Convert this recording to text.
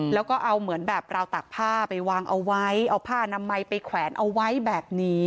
แล้วก็เอาเหมือนแบบราวตากผ้าไปวางเอาไว้เอาผ้านามัยไปแขวนเอาไว้แบบนี้